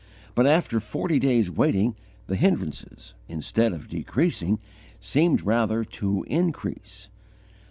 But, after forty days' waiting, the hindrances, instead of decreasing, seemed rather to increase.